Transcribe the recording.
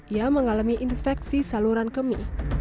ia mengalami infeksi saluran kemih